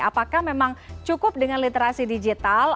apakah memang cukup dengan literasi digital